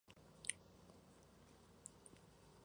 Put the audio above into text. Zonas urbanas.